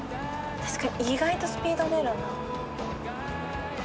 確かに意外とスピード出るな。